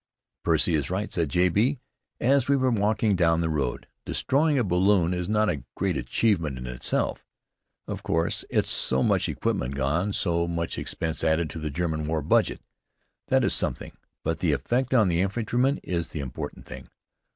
"Percy is right," said J. B. as we were walking down the road. "Destroying a balloon is not a great achievement in itself. Of course, it's so much equipment gone, so much expense added to the German war budget. That is something. But the effect on the infantrymen is the important thing.